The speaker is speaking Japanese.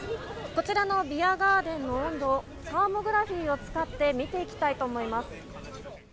こちらのビアガーデンの温度を、サーモグラフィーを使って見ていきたいと思います。